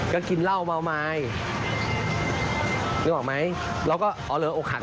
ก็กินเหล้าเมาไม้นึกออกไหมเราก็อ๋อเหรออกหัก